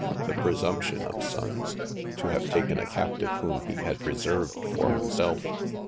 The presumption of Sonnes, to have taken a captive whom he had reserved for himself.